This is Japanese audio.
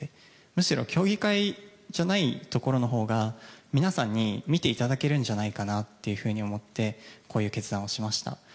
むしろ競技会じゃないところのほうが皆さんに見ていただけるんじゃないかなと思っていてこういう決断をしました。